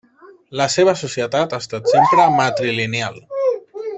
La seva societat ha estat sempre matrilineal.